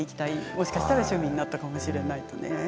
もしかしたら趣味になったかもしれないですね。